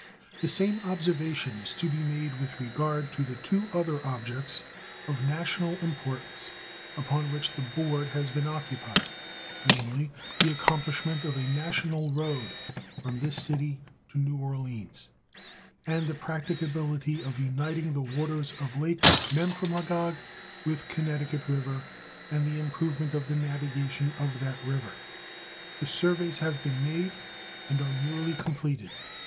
The same observation is to be made with regard to the two other objects of national importance upon which the Board have been occupied, namely, the accomplishment of a national road from this city to New Orleans, and the practicability of uniting the waters of Lake Memphramagog with Connecticut River and the improvement of the navigation of that river. The surveys have been made and are nearly completed.